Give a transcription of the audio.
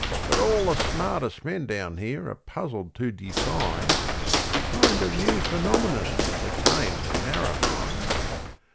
But all the smartest men down here are puzzled to define A kind of new phenomenon that came to Narromine.